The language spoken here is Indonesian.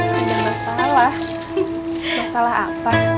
ada masalah masalah apa